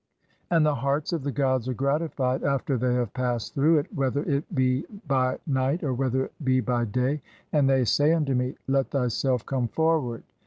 And the hearts "of the gods are gratified (?) after they have passed through it, "whether it be by night, or whether it be by day, and they say "unto me, (21) 'Let thyself come forward'.